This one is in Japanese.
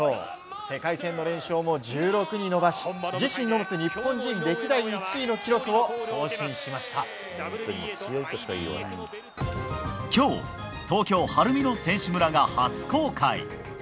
世界戦の連勝も１６に延ばし自身の持つ日本人歴代１位の記録を今日、東京・晴海の選手村が初公開。